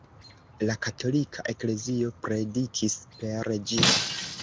La katolika eklezio predikis per ĝi.